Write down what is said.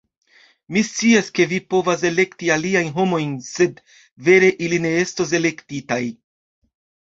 Mi scias, ke vi povas elekti aliajn homojn sed vere ili ne estos elektitaj